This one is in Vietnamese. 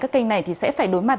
các kênh này thì sẽ phải đối mặt